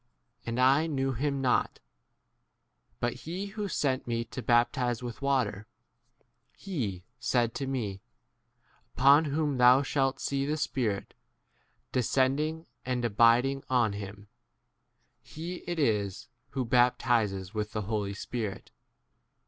And I* knew him not ; but he who sent me to baptize with water, 7te w said to me, Upon whom thou shalt see the Spirit descending and abiding on him, he it is who baptizes with 34 [the] Holy Spirit.